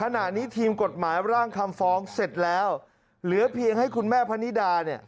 ขณะนี้ทีมกฎหมายร่างคำฟ้องเสร็จแล้วเหลือเพียงให้คุณแม่พนิดาเนี่ย